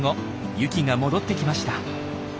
ユキが戻ってきました。